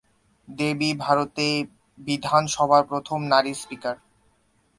দেবী ভারতে বিধানসভার প্রথম নারী স্পীকার।